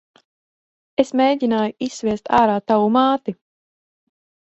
Es mēgināju izsviest ārā tavu māti.